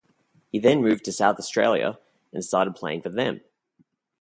He then moved to South Australia and started playing for them.